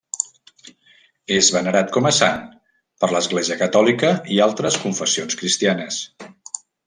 És venerat com a sant per l'Església catòlica i altres confessions cristianes.